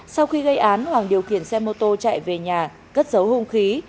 sau khi gây án hoàng điều khiển xe mô tô chạy về nhà cất giấu hung khí